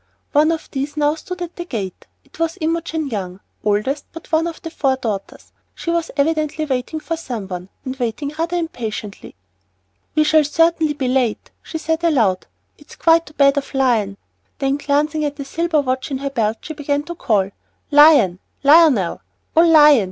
One of these now stood at the gate. It was Imogen Young, oldest but one of the four daughters. She was evidently waiting for some one, and waiting rather impatiently. "We shall certainly be late," she said aloud, "and it's quite too bad of Lion." Then, glancing at the little silver watch in her belt, she began to call, "Lion! Lionel! Oh, Lion!